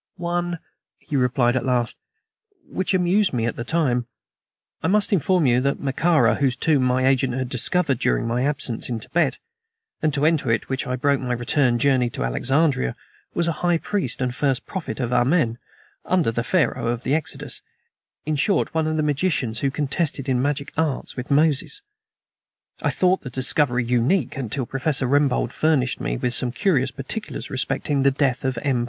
"One," he replied at last, "which amused me at the time. I must inform you that Mekara whose tomb my agent had discovered during my absence in Tibet, and to enter which I broke my return journey to Alexandria was a high priest and first prophet of Amen under the Pharaoh of the Exodus; in short, one of the magicians who contested in magic arts with Moses. I thought the discovery unique, until Professor Rembold furnished me with some curious particulars respecting the death of M.